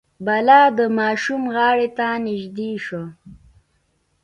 بلا د ماشوم غاړې ته نژدې شو.